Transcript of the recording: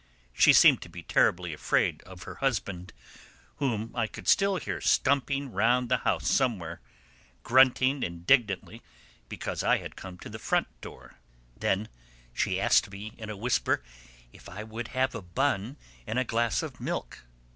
She seemed to be terribly afraid of her husband whom I could still hear stumping round the house somewhere, grunting indignantly because I had come to the front door. Then she asked me in a whisper if I would have a bun and a glass of milk.